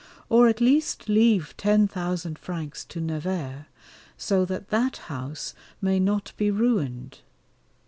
or at least leave ten thousand francs to Nevers, so that that house may not be ruined.